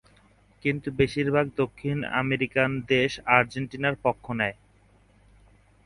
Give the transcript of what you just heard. কিন্তু বেশির ভাগ দক্ষিণ আমেরিকান দেশ আর্জেন্টিনার পক্ষ নেয়।